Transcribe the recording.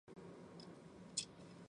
太田市地区的城市。